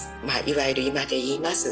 いわゆる今でいいます